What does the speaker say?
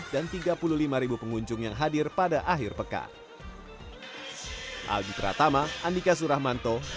dan tiga puluh lima ribu pengunjung yang hadir pada akhir peka